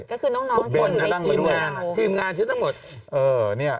พวกเบนก็นั่งมาด้วยทีมงานทีมงานชั้นทั้งหมดเออเนี้ย